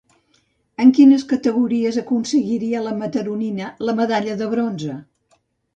En quines categories aconseguiria la mataronina la medalla de bronze?